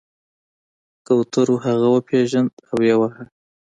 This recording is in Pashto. کوترو هغه وپیژند او ویې واهه.